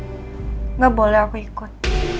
tidak boleh aku ikut